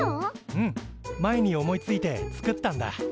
うん前に思いついて作ったんだ。